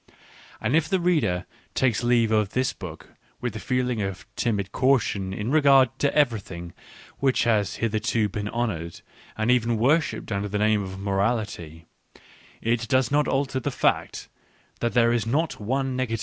And if the reader takes leave of this book with a feeling of timid caution in re gard to everything which has hitherto been honoured and even worshipped under the name of morality, it does not alter the fact that there is not one negative * Human, all too Human, vol.